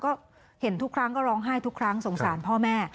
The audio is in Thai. ก็เห็นทุกครั้งก็ร้องไห้ทุกครั้งสงสารพ่อแม่